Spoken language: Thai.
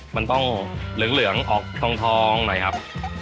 มันต้องเหลืองออกทองหน่อยครับ